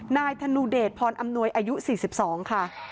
ธนูเดชพรอำนวยอายุ๔๒ค่ะ